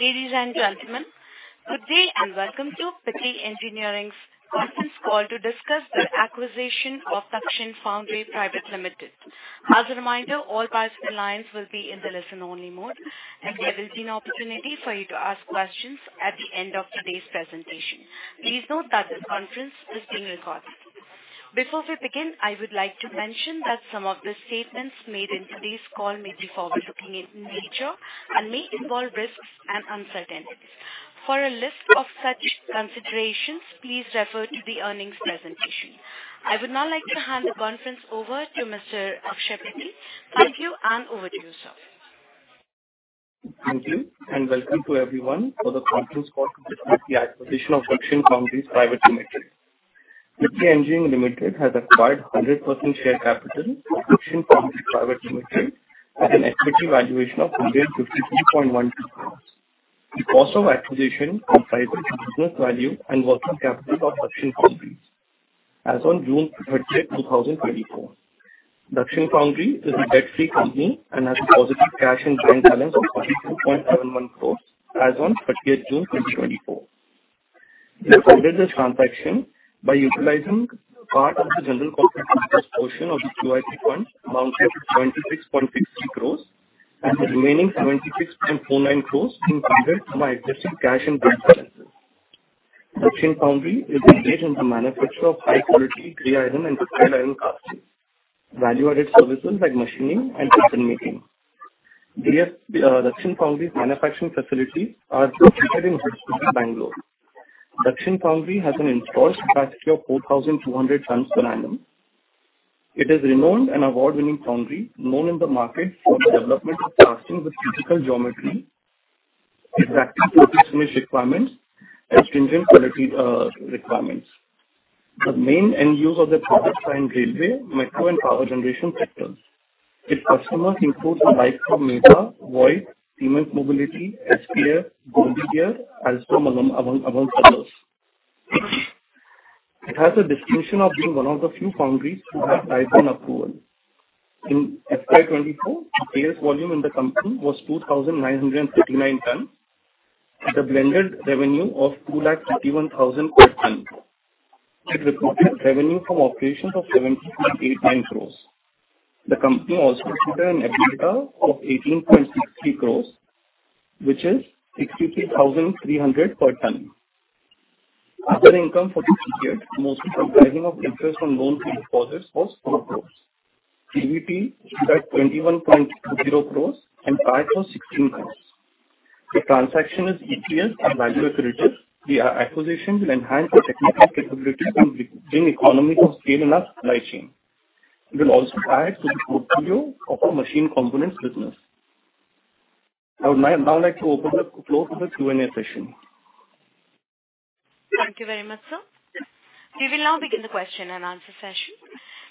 Ladies and gentlemen, good day and welcome to Pitti Engineering's conference call to discuss the acquisition of Dakshin Foundry Pvt. Ltd. As a reminder, all participant lines will be in the listen-only mode, and there will be an opportunity for you to ask questions at the end of today's presentation. Please note that this conference is being recorded. Before we begin, I would like to mention that some of the statements made in today's call may be forward-looking in nature and may involve risks and uncertainties. For a list of such considerations, please refer to the earnings presentation. I would now like to hand the conference over to Mr. Akshay S. Pitti. Thank you, and over to yourself. Thank you, and welcome to everyone for the conference call to discuss the acquisition of Dakshin Foundry Pvt. Ltd. Pitti Engineering Ltd. has acquired 100% share capital of Dakshin Foundry Pvt. Ltd. at an equity valuation of 153.12 crores. The cost of acquisition comprises the business value and working capital of Dakshin Foundry, as on June 30, 2024. Dakshin Foundry is a debt-free company and has a positive cash and bank balance of 42.71 crores as on 30 June 2024. We funded this transaction by utilizing part of the general corporate interest portion of the QIP fund amounting to 26.63 crores, and the remaining 76.49 crores being funded from our existing cash and bank balances. Dakshin Foundry is a major manufacturer of high-quality grey iron and ductile iron castings, value-added services like machining and pattern making. Dakshin Foundry's manufacturing facilities are located in Hoskote, Bangalore. Dakshin Foundry has an installed capacity of 4,200 tons per annum. It is a renowned and award-winning foundry known in the market for the development of casting with critical geometry, exacting surface finish requirements, and stringent quality requirements. The main end use of the project is in railway, metro, and power generation sectors. Its customers include the likes of Medha, Voith, Siemens Mobility, SKF, Goldigier, Alstom among others. It has the distinction of being one of the few foundries who have Type 1 Approval. In FY2024, sales volume in the company was 2,939 tons, with a blended revenue of 251,000 per ton. It reported revenue from operations of 70.89 crores. The company also put in EBITDA of 18.63 crores, which is 63,300 per ton. Other income for this period, most comprising of interest on loans and deposits, was 4 crores. EBITDA was 21.20 crores, and payout was 16 crores. The transaction is EPS accretive. The acquisition will enhance the technical capabilities and bring economies of scale in our supply chain. It will also add to the portfolio of the machined components business. I would now like to open the floor for the Q&A session. Thank you very much, sir. We will now begin the question and answer session.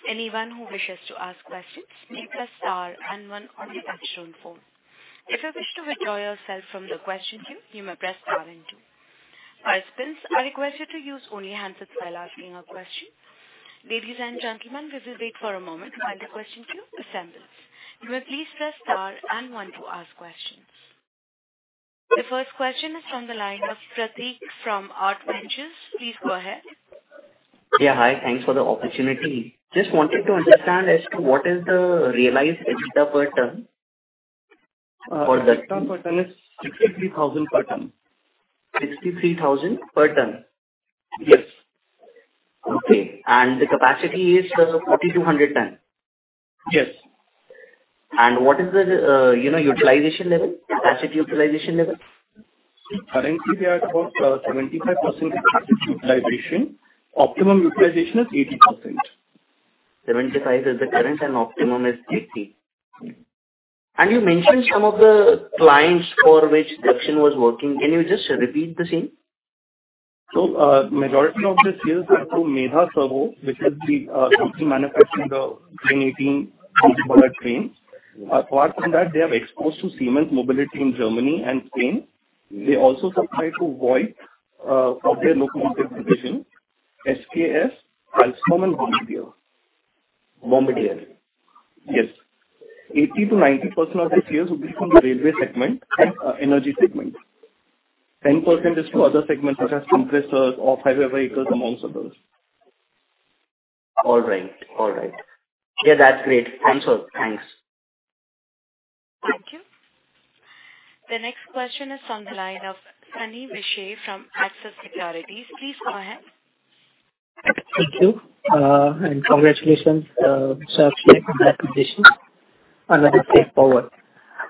Anyone who wishes to ask questions may press star and one on the touchscreen phone. If you wish to withdraw yourself from the question queue, you may press star and two. Participants are requested to use only handsets while asking a question. Ladies and gentlemen, we will wait for a moment while the question queue assembles. You may please press star and one to ask questions. The first question is from the line of Prateek from Arc Ventures. Please go ahead. Yeah, hi. Thanks for the opportunity. Just wanted to understand as to what is the realized EBITDA per ton for the? EBITDA per ton is 63,000 per ton. 63,000 per ton. Yes. Okay. The capacity is 4,200 tons. Yes. What is the utilization level, capacity utilization level? Currently, we are about 75% capacity utilization. Optimum utilization is 80%. 75% is the current, and optimum is 80%. You mentioned some of the clients for which Dakshin was working. Can you just repeat the same? So majority of the sales are to Medha Servo, which is the company manufacturing the 2018 multi-ballard trains. Apart from that, they are exposed to Siemens Mobility in Germany and Spain. They also supply to Voith for their locomotive division, SKF, Alstom, and Bombardier. Bombardier. Yes. 80%-90% of the sales will be from the railway segment, energy segment. 10% is to other segments such as compressors, off-highway vehicles, among others. All right. All right. Yeah, that's great. Thanks, sir. Thanks. Thank you. The next question is from the line of Sunny Bhadra from Axis Securities. Please go ahead. Thank you, and congratulations, sir. Share in that position. Another step forward.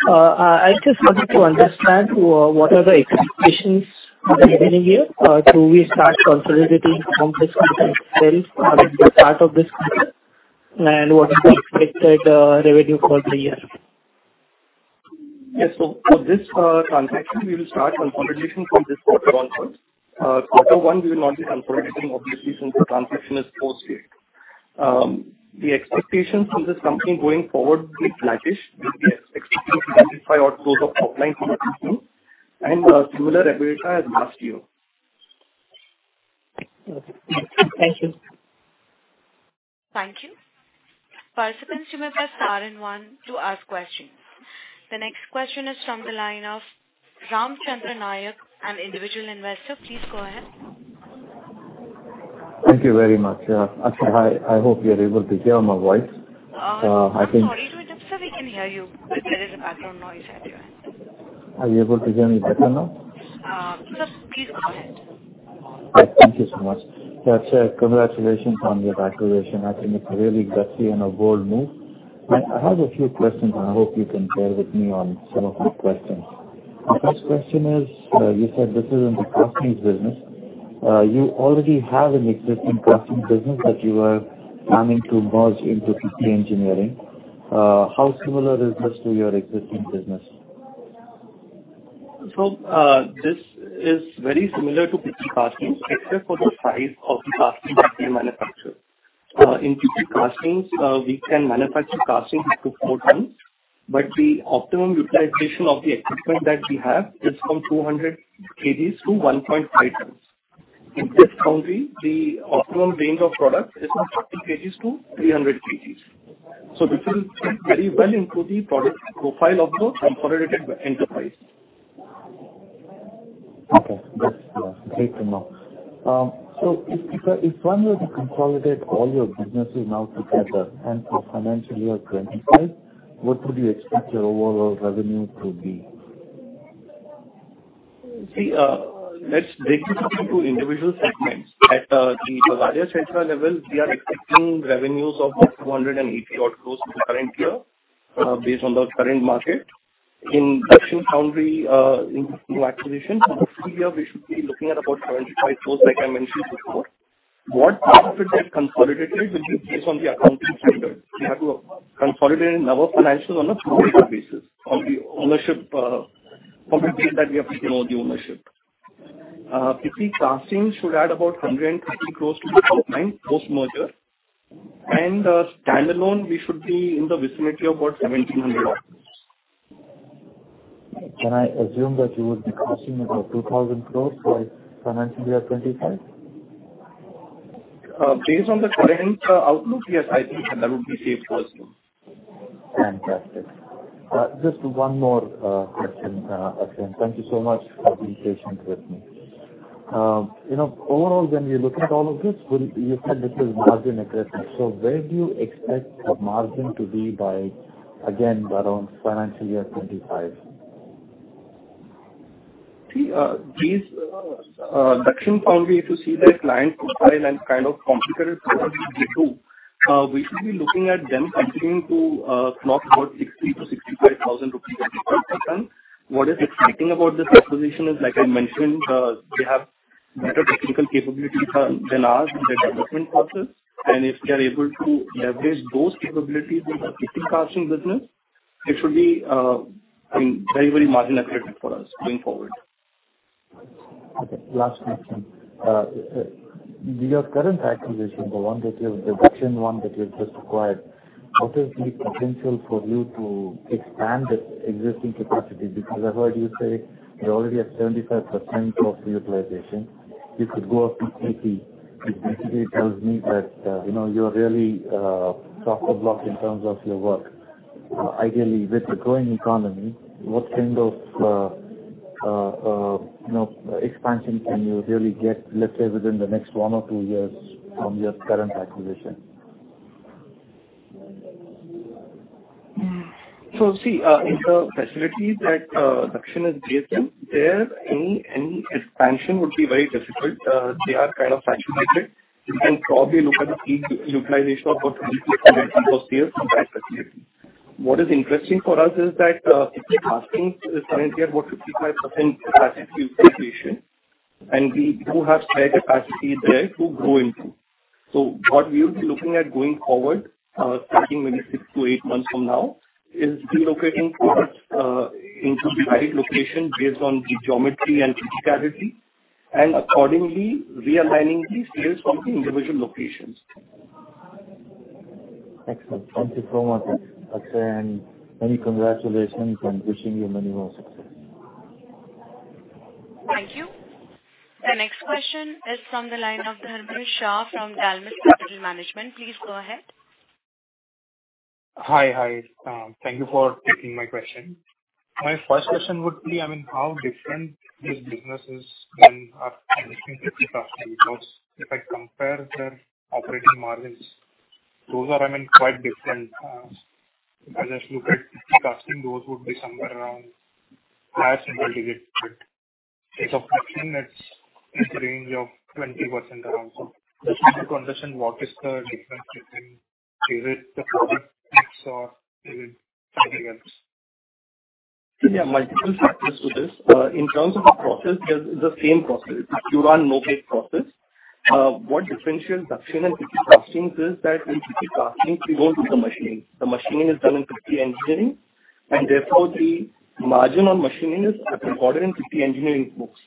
I just wanted to understand what are the expectations beginning year to start consolidating from this quarter itself, start of this quarter, and what is the expected revenue for the year? Yes. So for this transaction, we will start consolidation from this quarter onward. Quarter one, we will not be consolidating, obviously, since the transaction is post-year. The expectations from this company going forward will be flattish. We expect to identify outflows of offline products and similar EBITDA as last year. Okay. Thank you. Thank you. Participants, you may press star and one to ask questions. The next question is from the line of Ramchandra Nayak, an individual investor. Please go ahead. Thank you very much. Yeah. Actually, hi. I hope you are able to hear my voice.I think. Sorry to interrupt, sir. We can hear you, but there is a background noise at your end. Are you able to hear me better now? Sir, please go ahead. Thank you so much. Yeah, sir, congratulations on your acquisition. I think it's a really gutsy and a bold move. I have a few questions, and I hope you can bear with me on some of the questions. The first question is, you said this is in the castings business. You already have an existing castings business that you are planning to merge into Pitti Engineering. How similar is this to your existing business? So this is very similar to Pitti Castings, except for the size of the castings that we manufacture. In Pitti Castings, we can manufacture castings up to 4 tons, but the optimum utilization of the equipment that we have is from 200 kg to 1.5 tons. In this foundry, the optimum range of product is from 40 kg to 300 kg. So this will fit very well into the product profile of the consolidated enterprise. Okay. That's great to know. So if one were to consolidate all your businesses now together and for financial year 2025, what would you expect your overall revenue to be? See, let's break this up into individual segments. At the Bagadia Chaitra level, we are expecting revenues of about 280 crores for the current year based on the current market. In Dakshin Foundry, in new acquisition, for the future year, we should be looking at about 75 crores, like I mentioned before. What benefit that consolidated will be based on the accounting standard. We have to consolidate the financials on a full-year basis on the ownership percentage that we have to know the ownership. Pitti Castings should add about 130 crores to the top line post-merger, and standalone, we should be in the vicinity of about 1,700 crores. Can I assume that you would be costing about 2,000 crore for financial year 2025? Based on the current outlook, yes, I think that that would be safe to assume. Fantastic. Just one more question, Akshay. Thank you so much for being patient with me. Overall, when you're looking at all of this, you said this is margin aggressive. So where do you expect the margin to be by, again, around financial year 2025? See, with Dakshin Foundry, if you see their client profile and kind of complicated processes they do, we should be looking at them continuing to clock about 60,000-65,000 rupees a week per ton. What is exciting about this acquisition is, like I mentioned, they have better technical capabilities than us in their development process. And if they are able to leverage those capabilities in the Pitti Castings business, it should be, I mean, very, very margin aggressive for us going forward. Okay. Last question. Your current acquisition, the one that you've the Dakshin one that you've just acquired, what is the potential for you to expand this existing capacity? Because I heard you say you already have 75% of the utilization. You could go up to 80%, which basically tells me that you are really close to blocked in terms of your work. Ideally, with the growing economy, what kind of expansion can you really get, let's say, within the next one or two years from your current acquisition? So see, in the facilities that Dakshin has given them, any expansion would be very difficult. They are kind of saturated. You can probably look at the peak utilization of about 20% in the first year from that facility. What is interesting for us is that Pitti Castings is currently at about 55% capacity utilization, and we do have spare capacity there to grow into. So what we will be looking at going forward, starting maybe 6-8 months from now, is relocating products into the right location based on the geometry and criticality, and accordingly, realigning the sales from the individual locations. Excellent. Thank you so much, Akshay, and many congratulations and wishing you many more success. Thank you. The next question is from the line of Dharmil Shah from Dalmus Capital Management. Please go ahead. Hi. Hi. Thank you for taking my question. My first question would be, I mean, how different this business is than our existing Pitti Castings? Because if I compare their operating margins, those are, I mean, quite different. If I just look at Pitti Castings, those would be somewhere around higher single digit. With Dakshin Foundry, it's in the range of around 20%. So just wanted to understand what is the difference between, is it the product mix or is it something else? Yeah, multiple factors to this. In terms of the process, it's the same process. It's a pass-through model. What differentiates Dakshin and Pitti Castings is that in Pitti Castings, we don't do the machining. The machining is done in Pitti Engineering, and therefore, the margin on machining is recorded in Pitti Engineering books,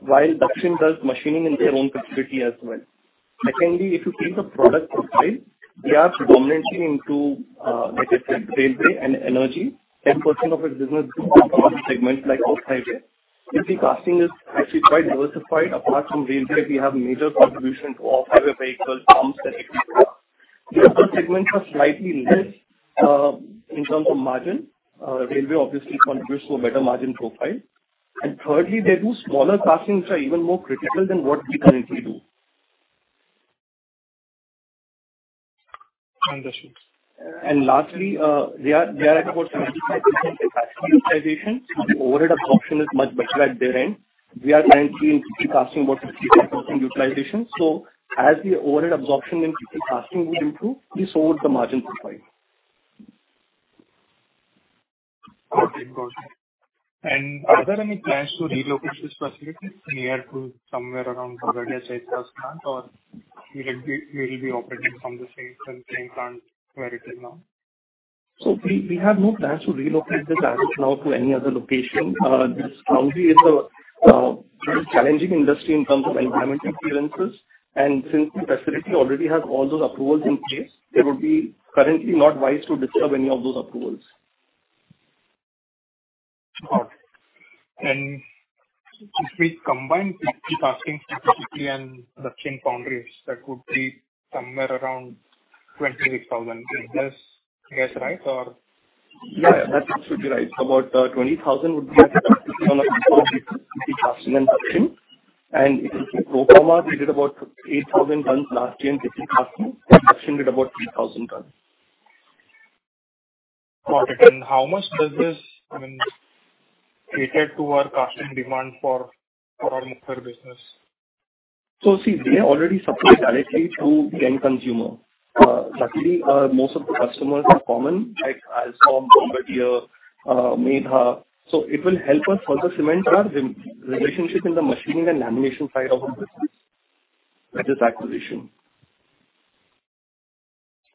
while Dakshin does machining in their own facility as well. Secondly, if you see the product profile, they are predominantly into, like I said, railway and energy. 10% of their business does come from segments like off-highway. Pitti Castings is actually quite diversified. Apart from railway, we have major contribution to off-highway vehicles, pumps, and ETS. The other segments are slightly less in terms of margin. Railway, obviously, contributes to a better margin profile. And thirdly, they do smaller castings, which are even more critical than what we currently do. Understood. Lastly, they are at about 75% Capacity Utilization. The overhead absorption is much better at their end. We are currently in Pitti Castings about 55% Capacity Utilization. As the overhead absorption in Pitti Castings would improve, this would lower the margin profile. Got it. Got it. Are there any plans to relocate this facility near to somewhere around Bagadia Chaitra's plant, or it will be operating from the same plant where it is now? We have no plans to relocate this asset now to any other location. This foundry is a very challenging industry in terms of environmental clearances. Since the facility already has all those approvals in place, it would be currently not wise to disturb any of those approvals. Got it. If we combine Pitti Castings specifically and Tucson Foundry, that would be somewhere around 26,000. Is this guess right, or? Yeah, yeah. That should be right. About 20,000 would be at Dakshin Foundry on a quarter between Pitti Castings and Dakshin Foundry. And if you see pro forma, we did about 8,000 tons last year in Pitti Castings. Dakshin Foundry did about 3,000 tons. Got it. How much does this, I mean, cater to our casting demand for our muffler business? So see, they already supply directly to the end consumer. Luckily, most of the customers are common, like Alstom, Bombardier, Medha. So it will help us further cement our relationship in the machining and lamination side of our business with this acquisition.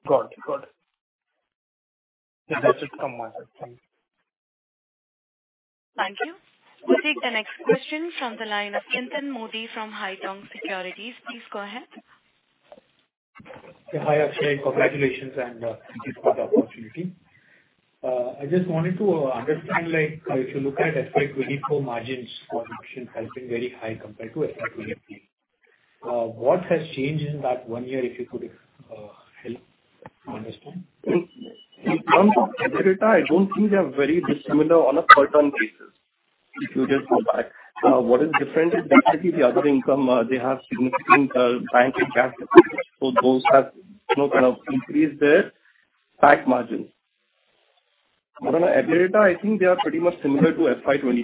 Got it. Got it. Yeah, that should come with it. Thank you. Thank you. We'll take the next question from the line of Chintan Modi from Haitong Securities. Please go ahead. Yeah. Hi, Akshay. Congratulations, and thank you for the opportunity. I just wanted to understand, if you look at FY24 margins, for Dakshin Foundry, they've been very high compared to FY23. What has changed in that one year, if you could help understand? In terms of EBITDA, I don't think they are very dissimilar on a per-ton basis. If you just go back, what is different is definitely the other income. They have significant bank and cash deposits. So those have kind of increased their PAT margins. But on EBITDA, I think they are pretty much similar to FY23.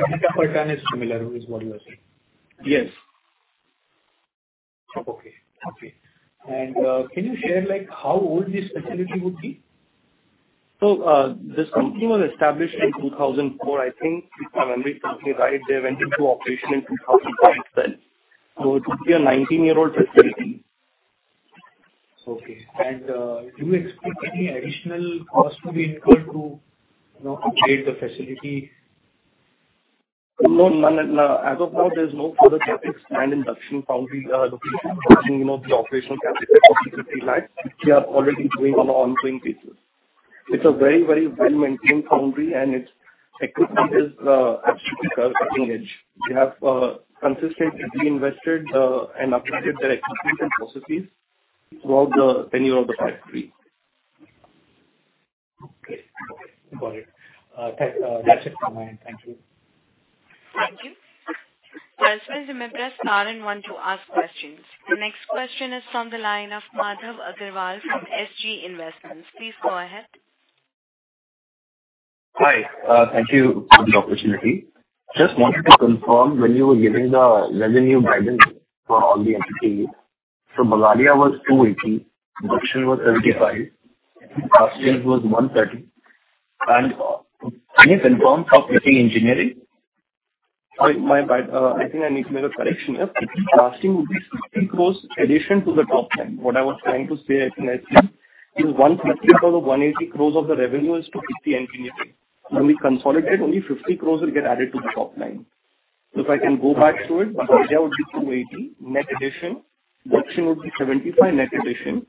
EBITDA per ton is similar, is what you are saying? Yes. Okay. Okay. Can you share how old this facility would be? So this company was established in 2004, I think, if my memory is completely right. They went into operation in 2019. So it would be a 19-year-old facility. Okay. And do you expect any additional cost to be incurred to upgrade the facility? No, none at all. As of now, there's no further CapEx plan in Dakshin Foundry location in the operational capacity that we could realize. We are already doing on an ongoing basis. It's a very, very well-maintained foundry, and its equipment is absolutely cutting edge. We have consistently reinvested and upgraded their equipment and processes throughout the tenure of the factory. Okay. Okay. Got it. That's it from my end. Thank you. Thank you. Also, as a reminder, star one to ask questions. The next question is from the line of Madhav Agarwal from SG Investments. Please go ahead. Hi. Thank you for the opportunity. Just wanted to confirm when you were giving the revenue guidance for all the entities. Bavaria was 280, Tucson was 75, Castings was 130. Can you confirm Pitti Engineering? I think I need to make a correction here. Castings would be 60 crores in addition to the top line. What I was trying to say, I think I said, is 150 or the 180 crores of the revenue is to Pitti Engineering. When we consolidate, only 50 crores will get added to the top line. So if I can go back to it, Bavaria would be 280 crore net addition, Tucson would be 75 crore net addition,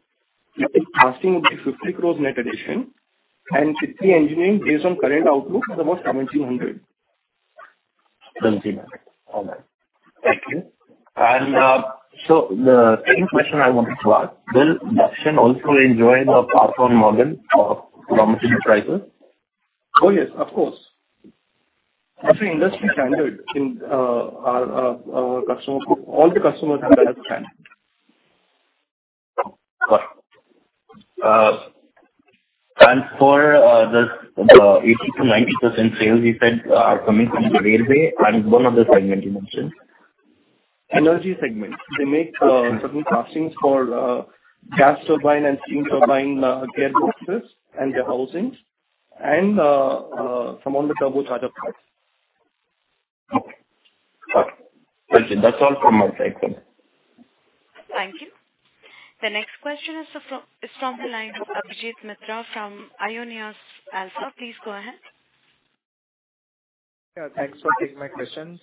Castings would be 50 crores net addition, and Pitti Engineering, based on current outlook, is about 1,700. 1,700. All right. Thank you. The second question I wanted to ask, will Dakshin also enjoy the pass-through model of raw material prices? Oh, yes. Of course. That's an industry standard in our customers. All the customers have that as a standard. Got it. And for the 80-90% sales, you said are coming from the railway and one other segment you mentioned. Energy segment. They make certain castings for gas turbine and steam turbine gearboxes and their housings and some on the turbocharger parts. Okay. Got it. Thank you. That's all from my side, sir. Thank you. The next question is from the line of Abhijit Mitra from ICICI Securities. Please go ahead. Yeah. Thanks for taking my question.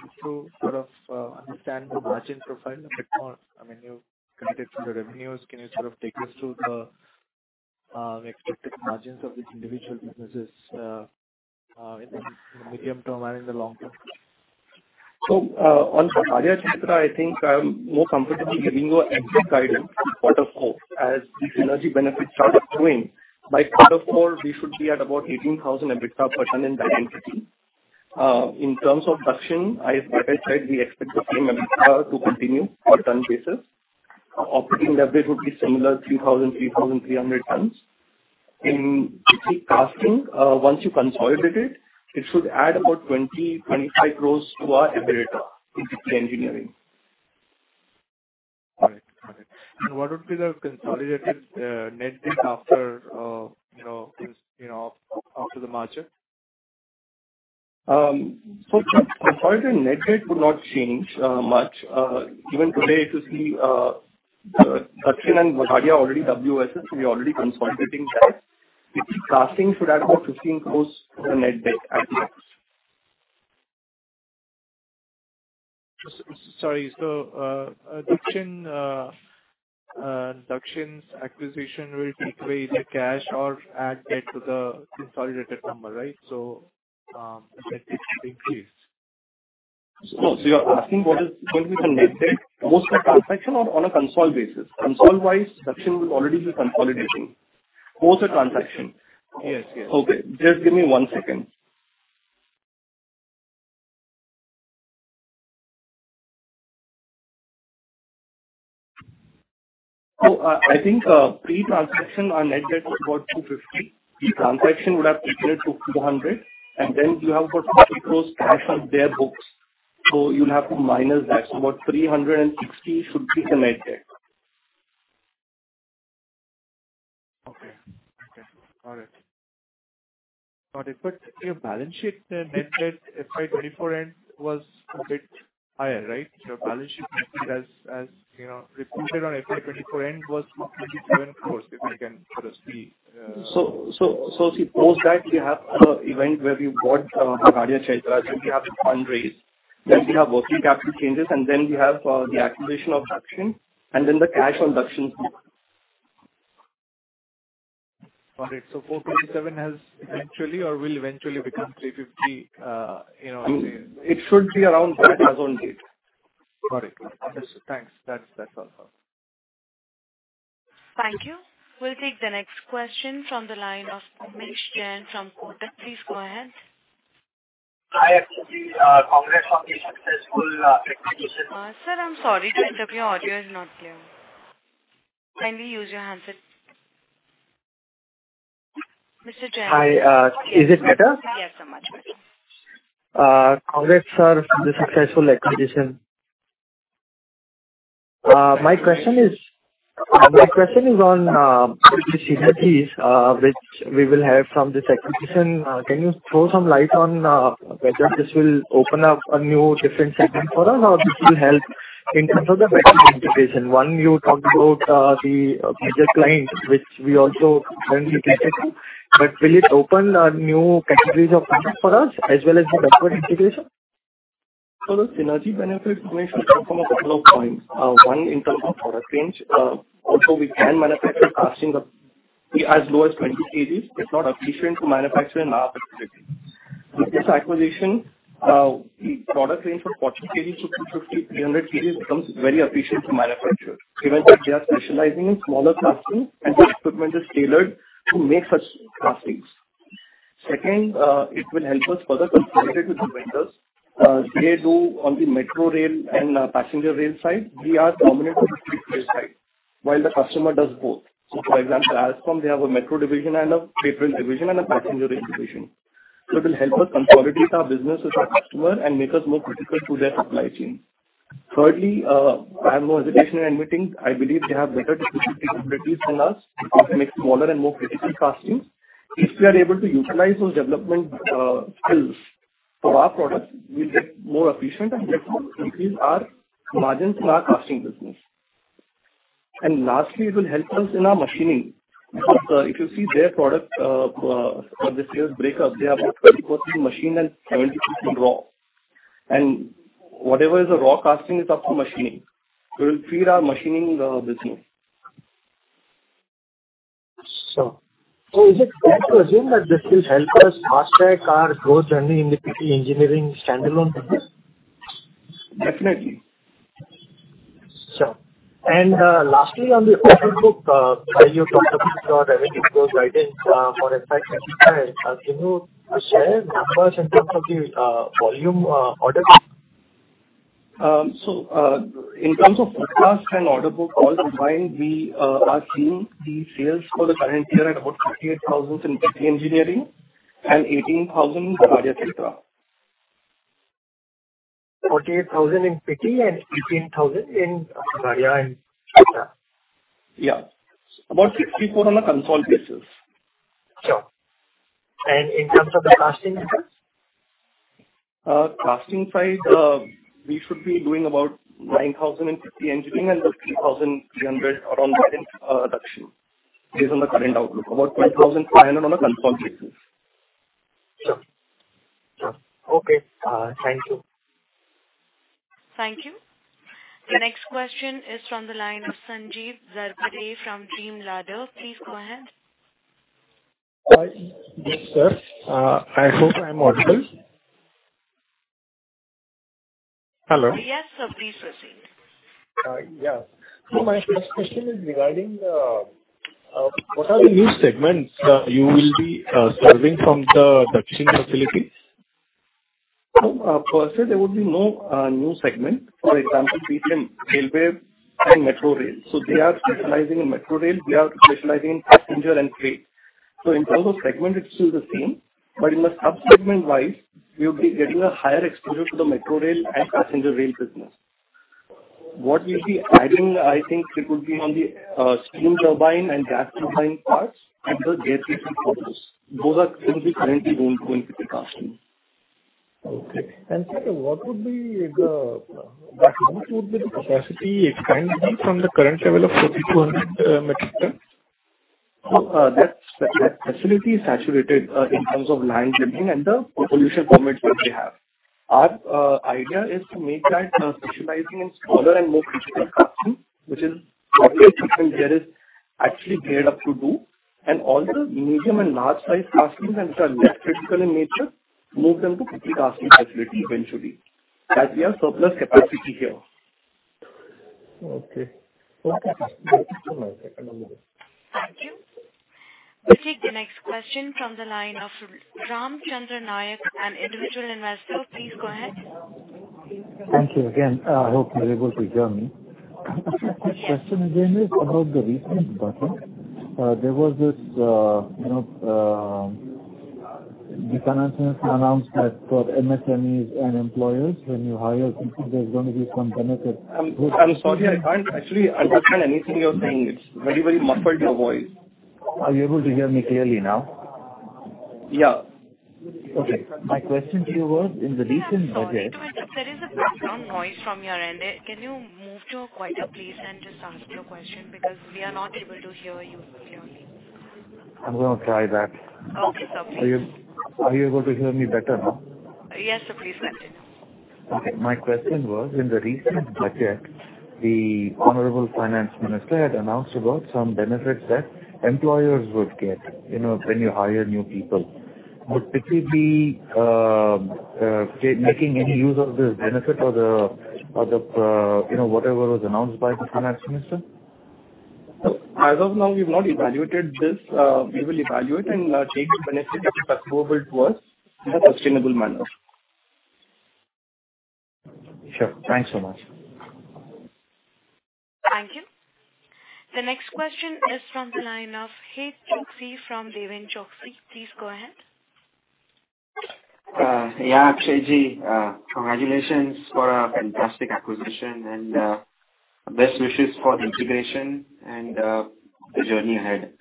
So to sort of understand the margin profile a bit more, I mean, you've connected to the revenues. Can you sort of take us through the expected margins of these individual businesses in the medium term and in the long term? So on Bagadia Chaitra, I think I'm more comfortable giving you an exact guidance to quarter four as these energy benefits start accruing. By quarter four, we should be at about 18,000 EBITDA per ton in that entity. In terms of Dakshin Foundry, like I said, we expect the same EBITDA to continue per ton basis. Operating leverage would be similar, 3,000-3,300 tons. In Pitti Castings, once you consolidate it, it should add about 20-25 crores to our EBITDA in Pitti Engineering. Got it. Got it. And what would be the consolidated net debt after the market? So consolidated net debt would not change much. Even today, if you see Dakshin Foundry and Bagadia Chaitra already WOS, we're already consolidating that. Pitti Castings would add about 15 crore for the net debt at the most. Sorry. So Dakshin's acquisition will take away either cash or add debt to the consolidated number, right? So the net debt would increase. So you're asking what is going to be the net debt, post the transaction or on a consolidated basis? Consolidated-wise, Dakshin will already be consolidating post the transaction. Yes. Yes. Okay. Just give me one second. So I think pre-transaction, our net debt is about 250 crores. Pre-transaction, we would have taken it to 200 crores, and then you have about INR 50 crores cash on their books. So you'll have to minus that. So about 360 crores should be the net debt. Okay. Okay. Got it. Got it. But your balance sheet net debt FY 2024 end was a bit higher, right? Your balance sheet reported on FY 2024 end was 227 crore, if I can sort of see. So, see, post that, we have an event where we bought Bagadia Chaitra. Then we have the fundraise. Then we have working capital changes, and then we have the acquisition of Dakshin, and then the cash on Dakshin's book. Got it. So 427 has eventually or will eventually become 350, I say? It should be around that as of date. Got it. Understood. Thanks. That's all. Thank you. We'll take the next question from the line of Ms. Jain from Kotak Securities. Please go ahead. Hi, actually. Congrats on the successful execution. Sir, I'm sorry to interrupt. Your audio is not clear. Kindly use your handset. Ms. Jain? Hi. Is it better? Yes, so much better. Congrats, sir, for the successful acquisition. My question is on the synergies which we will have from this acquisition. Can you throw some light on whether this will open up a new different segment for us or this will help in terms of the backward integration? One, you talked about the major client, which we also currently take care of. But will it open new categories of products for us as well as the backward integration? For the synergy benefits, we may show some of a couple of points. One, in terms of product range, although we can manufacture castings as low as 20 kg, it's not efficient to manufacture in our facility. With this acquisition, the product range from 40 kg to 250-300 kg becomes very efficient to manufacture, given that they are specializing in smaller castings and the equipment is tailored to make such castings. Second, it will help us further consolidate with the vendors. They do on the metro rail and passenger rail side. We are dominant on the freight rail side, while the customer does both. So, for example, Alstom, they have a metro division and a freight rail division and a passenger rail division. So it will help us consolidate our business with our customer and make us more critical to their supply chain. Thirdly, I have no hesitation in admitting I believe they have better technical capabilities than us to make smaller and more critical castings. If we are able to utilize those development skills for our products, we'll get more efficient and increase our margins in our casting business. And lastly, it will help us in our machining. If you see their product for the sales breakup, they have about 20% machined and 70% raw. And whatever is a raw casting is up to machining. So it will feed our machining business. Sure. Is it fair to assume that this will help us fast-track our growth journey in the Pitti Engineering standalone business? Definitely. Sure. And lastly, on the order book that you talked about, your revenue growth guidance for FY25, can you share numbers in terms of the volume order book? In terms of forecast and order book, all combined, we are seeing the sales for the current year at about 58,000 in Pitti Engineering and 18,000 in Bagadia Chaitra. 48,000 in Pitti and 18,000 in Bavaria Chetra? Yeah. About 64% on a consolidated basis. Sure. In terms of the casting? Casting side, we should be doing about 9,000 in Pitti Engineering and about 3,300 around that in Dakshin, based on the current outlook, about 12,500 on a consolidated basis. Sure. Sure. Okay. Thank you. Thank you. The next question is from the line of Sanjeev Zarbade from DreamLadder Capital. Please go ahead. Yes, sir. I hope I'm audible. Hello? Yes. So please proceed. Yes. So my first question is regarding what are the new segments you will be serving from the Dakshin facility? Per se, there would be no new segment. For example, PTM, railway and metro rail. So they are specializing in metro rail. They are specializing in passenger and freight. So in terms of segment, it's still the same. But in the subsegment-wise, we would be getting a higher exposure to the metro rail and passenger rail business. What we'll be adding, I think, it would be on the steam turbine and gas turbine parts and the GE focus. Those are things we currently don't do in Pitti Castings. Okay. And sir, what would be the capacity expanded from the current level of 4,200 metric tons? So that facility is saturated in terms of land limiting and the pollution permits that they have. Our idea is to make that specializing in smaller and more critical castings, which is what we think there is actually geared up to do, and all the medium and large-sized castings that are less critical in nature, move them to Pitti Castings facility eventually, that we have surplus capacity here. Okay. Okay. Thank you so much. I can do this. Thank you. We'll take the next question from the line of Ramchandra Nayak, an individual investor. Please go ahead. Thank you again. I hope you're able to hear me. My question again is about the recent budget. There was this the finance minister announcement for MSMEs and employers when you hire, thinking there's going to be some benefit. I'm sorry. I can't actually understand anything you're saying. It's very, very muffled, your voice. Are you able to hear me clearly now? Yeah. Okay. My question to you was, in the recent budget. There is a background noise from your end. Can you move to a quieter place and just ask your question because we are not able to hear you clearly? I'm going to try that. Okay. Please. Are you able to hear me better now? Yes. So please continue. Okay. My question was, in the recent budget, the honorable finance minister had announced about some benefits that employers would get when you hire new people. Would Pitti be making any use of this benefit or the whatever was announced by the finance minister? As of now, we've not evaluated this. We will evaluate and take the benefit if possible towards a sustainable manner. Sure. Thanks so much. Thank you. The next question is from the line of Deven Choksey from Deven Choksey FinServ. Please go ahead. Yeah. Shreyaji, congratulations for a fantastic acquisition and best wishes for the integration and the journey ahead.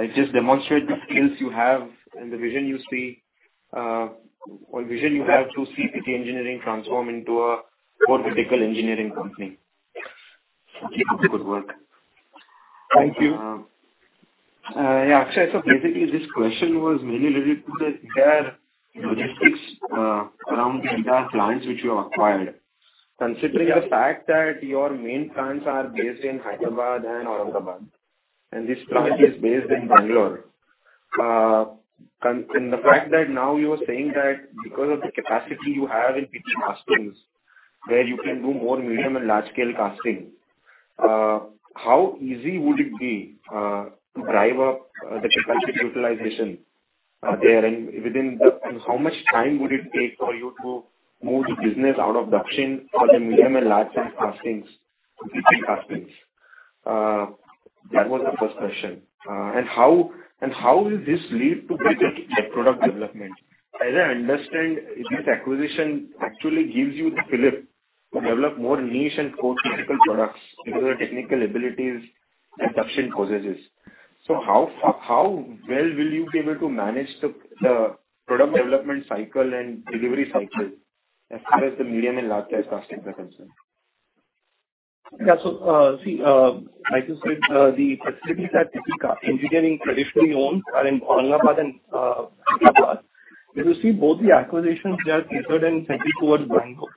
It just demonstrates the skills you have and the vision you see or vision you have to see Pitti Engineering transform into a more critical engineering company. Keep up the good work. Thank you. Yeah. Actually, so basically, this question was mainly related to their logistics around the IDA clients which you have acquired, considering the fact that your main plants are based in Hyderabad and Aurangabad, and this plant is based in Bangalore. And the fact that now you are saying that because of the capacity you have in Pitti Castings, where you can do more medium and large-scale casting, how easy would it be to drive up the capacity utilization there? And how much time would it take for you to move the business out of Dakshin for the medium and large-scale castings, Pitti Castings? That was the first question. And how will this lead to better product development? As I understand, this acquisition actually gives you the flip to develop more niche and core technical products because of the technical abilities that Dakshin possesses. So how well will you be able to manage the product development cycle and delivery cycle as far as the medium and large-sized castings are concerned? Yeah. So see, like I said, the facilities that Pitti Engineering traditionally owns are in Aurangabad and Hyderabad. But you see, both the acquisitions they are considered and sent towards Bangalore.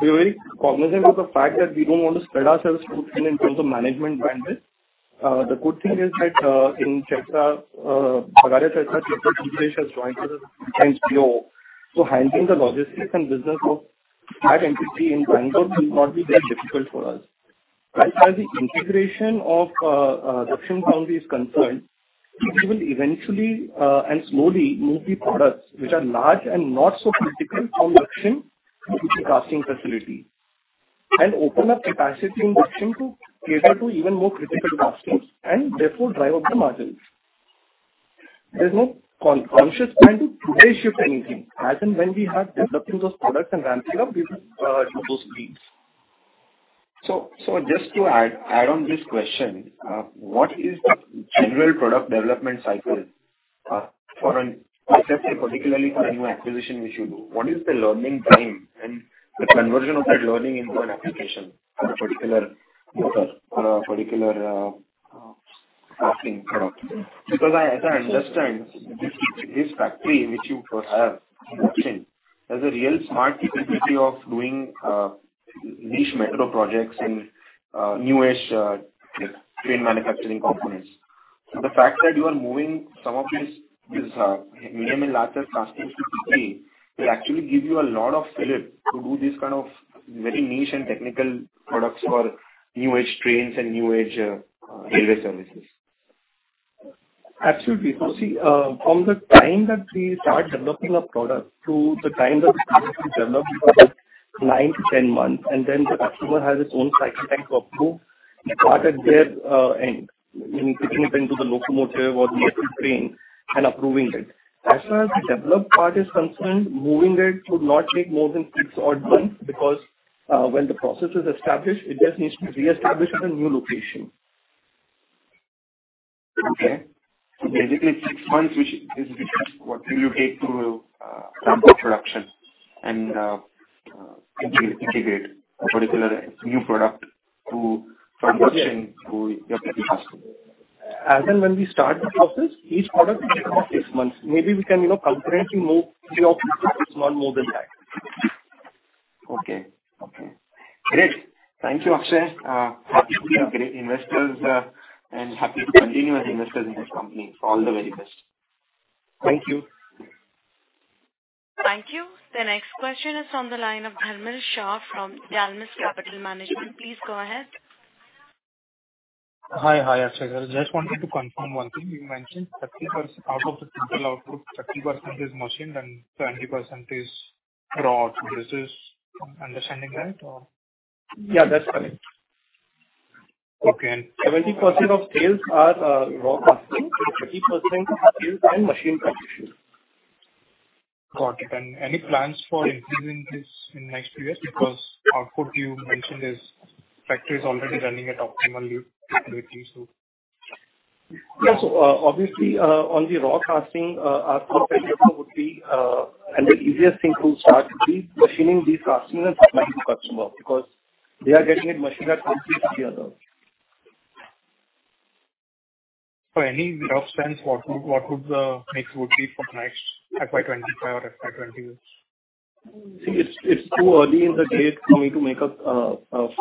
We are very cognizant of the fact that we don't want to spread ourselves too thin in terms of management bandwidth. The good thing is that in Chaitra, Bagadia Chaitra, Chaitra Jagadeesh has joined us as a full-time CEO. So handling the logistics and business of that entity in Bangalore will not be very difficult for us. As far as the integration of Dakshin Foundry is concerned, we will eventually and slowly move the products which are large and not so critical from Dakshin Foundry to Pitti Castings facility and open up capacity in Dakshin Foundry to cater to even more critical castings and therefore drive up the margins. There's no conscious plan to today shift anything. As and when we have developing those products and ramping up, we will do those leaps. So just to add on this question, what is the general product development cycle for an ITFC, particularly for a new acquisition which you do? What is the learning time and the conversion of that learning into an application for a particular buffer, for a particular casting product? Because as I understand, this factory which you have in Dakshin has a real smart capability of doing niche metro projects and new-ish train manufacturing components. So the fact that you are moving some of these medium and large-sized castings to Pitti will actually give you a lot of flip to do these kind of very niche and technical products for new-ish trains and new-ish railway services. Absolutely. So, see, from the time that we start developing a product through the time that the product is developed is about 9-10 months. And then the customer has its own cycle time to approve. You start at their end, meaning putting it into the locomotive or the electric train and approving it. As far as the developed part is concerned, moving it would not take more than six odd months because when the process is established, it just needs to be reestablished at a new location. Okay. So basically, six months, which is what will you take to sample production and integrate a particular new product from Dakshin to your Pitti Castings? As and when we start the process, each product will take about 6 months. Maybe we can concurrently move 3 or 4 to 6 months, more than that. Okay. Okay. Great. Thank you, Akshay. Happy to be a great investor and happy to continue as an investor in this company. All the very best. Thank you. Thank you. The next question is from the line of Dharmil Shah from Dalmus Capital Management. Please go ahead. Hi. Hi, Akshay sir. Just wanted to confirm one thing. You mentioned out of the total output, 30% is machined and 70% is raw. This is understanding that or? Yeah. That's correct. Okay. And 70% of sales are raw castings and 30% are machined components. Got it. And any plans for increasing this in the next few years because the output you mentioned, the factories are already running at optimal capacity, so? Yeah. So obviously, on the raw casting, our thought would be, and the easiest thing to start would be machining these castings and supplying to customer because they are getting it machined at completely different levels. Any rough sense, what would the mix would be for the next FY25 or FY26? See, it's too early in the day for me to make a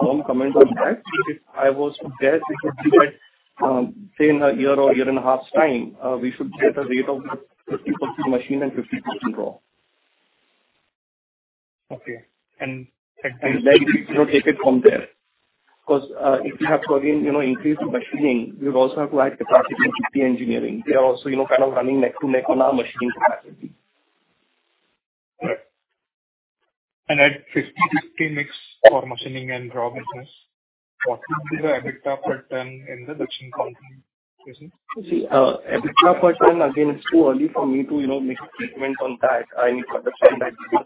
firm comment on that. If I was to guess, it would be that, say, in a year or year and a half's time, we should get a rate of 50% machined and 50% raw. Okay. And at this? And then we should take it from there because if you have to, again, increase the machining, you'd also have to add capacity in Pitti Engineering. They are also kind of running neck to neck on our machining capacity. Right. And at 50/50 mix for machining and raw business, what would be the EBITDA per turn in the Dakshin Foundry business? See, EBITDA per turn, again, it's too early for me to make a statement on that. I need to understand that more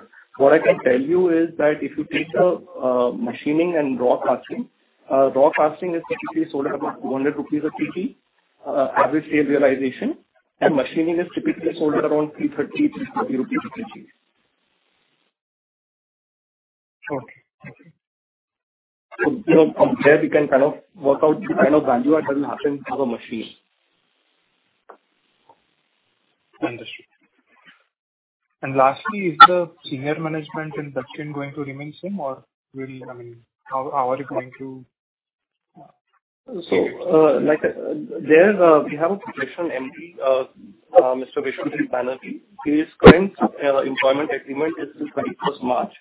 deeply. What I can tell you is that if you take the machining and raw casting, raw casting is typically sold at about 200 rupees a PT average sale realization. And machining is typically sold at around 330-340 rupees a PT. Okay. Okay. So from there, we can kind of work out the kind of value add that will happen to the machine. Understood. Lastly, is the senior management in Dakshin going to remain same or will I mean, how are you going to? So we have a position empty, Mr. Vishwajeet Banerjee. His current employment agreement is till 31st March.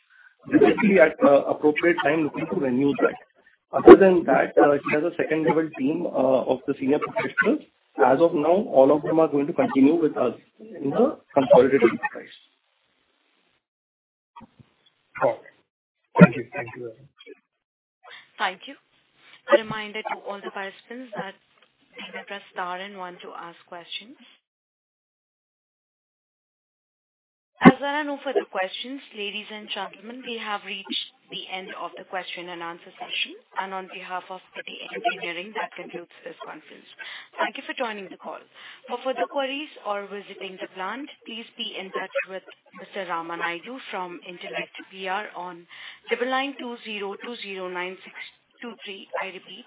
We're typically at an appropriate time looking to renew that. Other than that, he has a second-level team of the senior professionals. As of now, all of them are going to continue with us in the consolidated enterprise. Okay. Thank you. Thank you very much. Thank you. A reminder to all the participants that Dean Andres Taran want to ask questions. As there are no further questions, ladies and gentlemen, we have reached the end of the question-and-answer session. On behalf of Pitti Engineering, that concludes this conference. Thank you for joining the call. For further queries or visiting the plant, please be in touch with Mr. Rama Naidu from Intellect PR on 9920209623. I repeat.